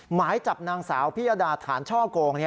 หมายจับนางสาวพิยดาฐานช่อโกง